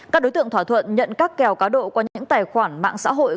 các đối tượng thỏa thuận nhận các kèo cá độ qua những tài khoản mạng xã hội